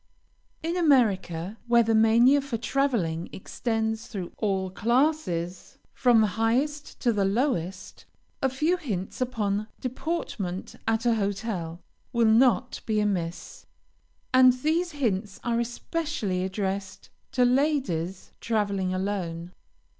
In America, where the mania for traveling extends through all classes, from the highest to the lowest, a few hints upon deportment at a hotel will not be amiss, and these hints are especially addressed to ladies traveling alone.